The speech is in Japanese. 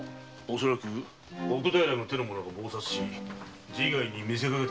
恐らく奥平の手の者が謀殺して自害にみせかけたのだろう。